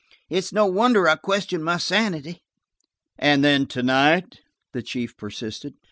It's no wonder I question my sanity." "And then–to night?" the chief persisted.